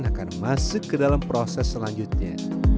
akan masuk ke dalam proses selanjutnya